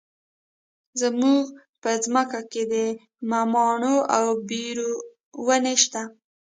زموږ په ځمکه کې د مماڼو او بیرو ونې شته.